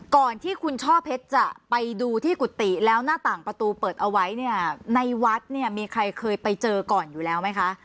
ก่อนที่คุณช่อเพชรจะไปดูที่กุฏิแล้วหน้าต่างประตูเปิดเอาไว้เนี่ยในวัดเนี่ยมีใครเคยไปเจอก่อนอยู่แล้วไหมคะ